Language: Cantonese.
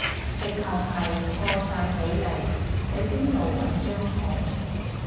直頭係錯晒比例，你邊度搵張圖